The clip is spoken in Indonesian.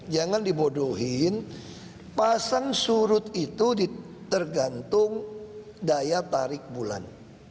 jangan dibodohin pasang surut itu tergantung daya tarik bulan